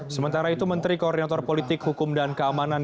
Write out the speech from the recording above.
sementara itu menteri koordinator politik hukum dan keamanan